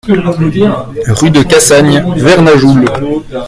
Rue de Cassagne, Vernajoul